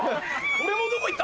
俺もどこ行った？